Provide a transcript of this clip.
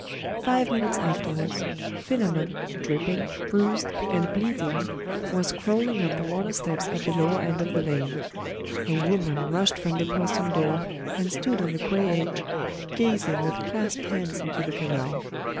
Five minutes afterwards, Philammon, dripping, bruised, and bleeding, was crawling up the water steps at the lower end of the lane. A woman rushed from the postern door, and stood on the quay edge, gazing with clasped hands into the canal.